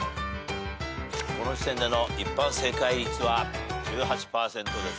この時点での一般正解率は１８％です。